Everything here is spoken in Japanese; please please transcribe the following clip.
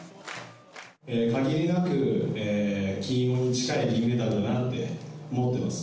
限りなく金色に近い銀メダルだなって思ってます。